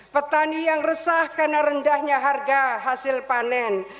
petani yang resah karena rendahnya harga hasil panen